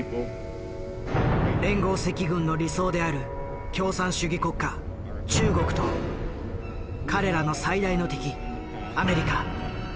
連合赤軍の理想である共産主義国家中国と彼らの最大の敵アメリカ。